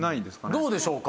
どうでしょうか？